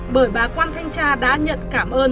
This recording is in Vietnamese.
bởi bà quan thanh tra đã nhận cảm ơn